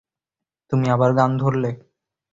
তুমি আবার গান ধরলে?